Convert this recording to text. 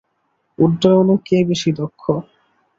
উড্ডয়নে কে বেশি দক্ষ?